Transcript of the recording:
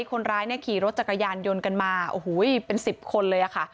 คนร้ายเนี่ยขี่รถจักรยานยนต์กันมาโอ้โหเป็น๑๐คนเลยค่ะ